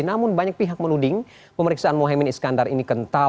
namun banyak pihak menuding pemeriksaan mohaimin iskandar ini kental